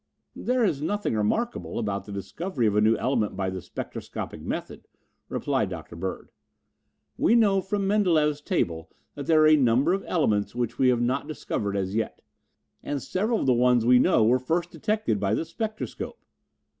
"There is nothing remarkable about the discovery of a new element by the spectroscopic method," replied Dr. Bird. "We know from Mendeleff's table that there are a number of elements which we have not discovered as yet, and several of the ones we know were first detected by the spectroscope.